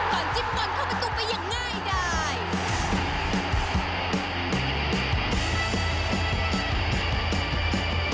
โดยจิรวัตรซอมวิเชียร์ส่งบอนให้กุธเถือนกาวพักออกหนึ่งจังหวังว่าจะเป็นลูกสุดท้าย